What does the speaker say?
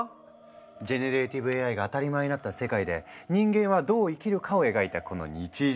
ジェネレーティブＡＩが当たり前になった世界で人間はどう生きるかを描いたこの日常系スリラー漫画！